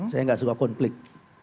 saya tidak suka konflik